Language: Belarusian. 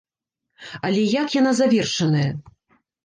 Але як яна завершаная?